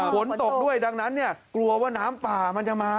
ฝนตกด้วยดังนั้นเนี่ยกลัวว่าน้ำป่ามันจะมา